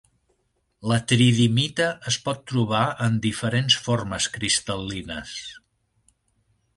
La tridimita es pot trobar en diferents formes cristal·lines.